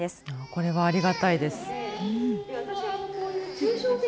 これはありがたいです。